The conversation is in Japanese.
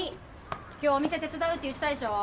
今日お店手伝うって言ってたでしょう。